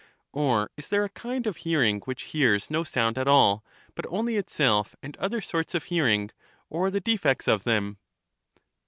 Or is there a kind of hearing which hears no sound at all, but only itself and other sorts of hearing, or the defects of them?